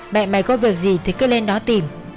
mẹ mày có việc gì thì cứ lên đó tìm